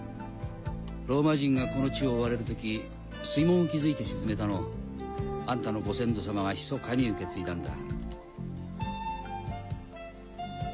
ローマ人がこの地を追われる時水門を築いて沈めたのをあんたのご先祖さまがひそかに受け継いだんだ。